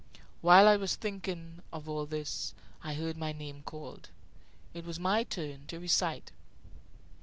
While I was thinking of all this, I heard my name called. It was my turn to recite.